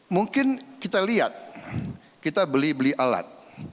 mungkin kita lihat kita beli beli alat